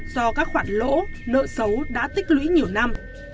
do các khoản lỗ nợ xấu đã tích lũy nhiều năm